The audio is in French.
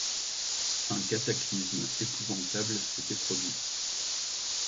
Un cataclysme épouvantable s’était produit.